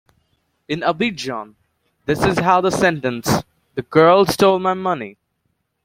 In Abidjan, this is how the sentence The girl stole my money.